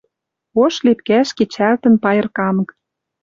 Ош лепкӓш кечӓлтӹн пайырканг.